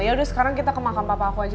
yaudah sekarang kita ke makam papa aku aja